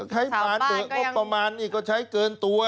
เศรษฐกิจก็ใช้เกินตัว